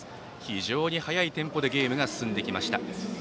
非常に速いテンポでゲームが進んできました。